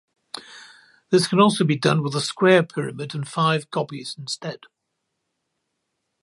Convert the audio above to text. This can also be done with a square pyramid and five copies instead.